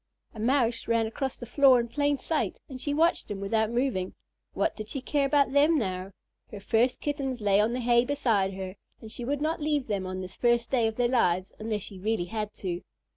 A Mouse ran across the floor in plain sight, and she watched him without moving. What did she care about them now? Her first Kittens lay on the hay beside her, and she would not leave them on this first day of their lives unless she really had to.